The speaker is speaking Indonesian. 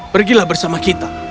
pergilah bersama kita